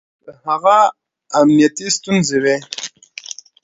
که هغه امنيتي ستونزې وي